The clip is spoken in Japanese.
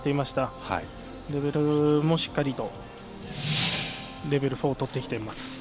しっかりとレベル４を取ってきています。